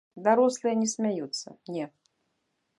Дарослыя не смяюцца, не.